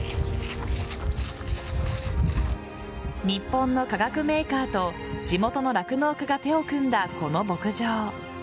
日本の化学メーカーと地元の酪農家が手を組んだこの牧場。